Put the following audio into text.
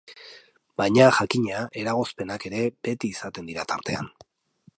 Baina, jakina, eragozpenak ere beti izaten dira tartean.